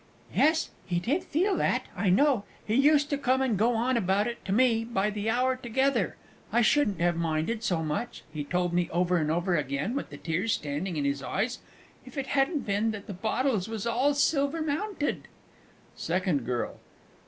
Yes, he did feel that, I know, he used to come and go on about it to me by the hour together. "I shouldn't have minded so much," he told me over and over again, with the tears standing in his eyes, "if it hadn't been that the bottles was all silver mounted!" SECOND GIRL.